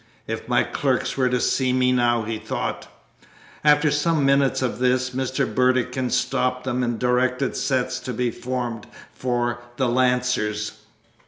"If my clerks were to see me now!" he thought. After some minutes of this, Mr. Burdekin stopped them and directed sets to be formed for "The Lancers."